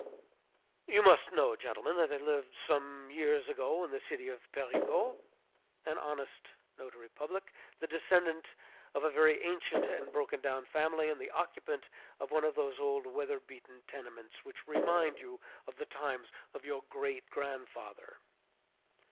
You must know, gentlemen, that there lived some years ago, in the city of Périgueux, an honest notary public, the descendant of a very ancient and broken down family, and the occupant of one of those old weather beaten tenements which remind you of the times of your great grandfather.